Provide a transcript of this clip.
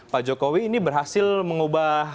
pak jokowi ini berhasil mengubah